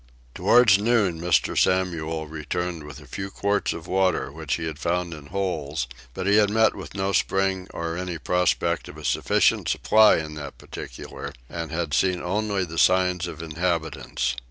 Towards noon Mr. Samuel returned with a few quarts of water which he had found in holes; but he had met with no spring or any prospect of a sufficient supply in that particular, and had seen only the signs of inhabitants.